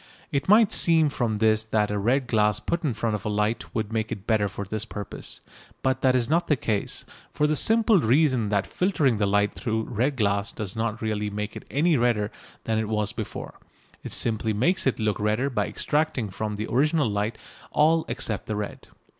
It might seem from this that a red glass put in front of a light would make it better for this purpose, but that is not the case, for the simple reason that filtering the light through red glass does not really make it any redder than it was before: it simply makes it look redder by extracting from the original light all except the red.